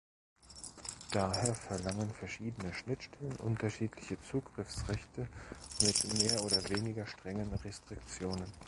Daher verlangen verschiedene Schnittstellen unterschiedliche Zugriffsrechte mit mehr oder weniger strengen Restriktionen.